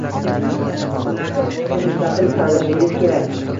Ularni o’zingiz mustaqil tanlashingiz kerak.